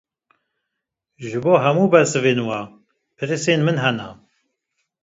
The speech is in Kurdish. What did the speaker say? Ji bo hemû bersivên we, pirsên min hene.